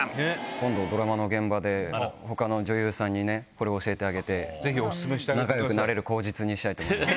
今度ドラマの現場で他の女優さんに教えてあげて仲良くなれる口実にしたいです。